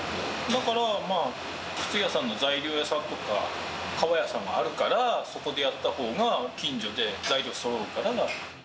だからまあ、靴屋さんの材料屋さんとか、革屋さんがあるから、そこでやったほうが近所で材料がそろうから。